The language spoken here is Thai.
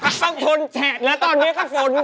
อีกอย่างนั้นต้องชนแทนแล้วตอนนี้ก็ฝนก็มา